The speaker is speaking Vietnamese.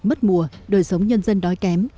mất mùa đời sống nhân dân đói kém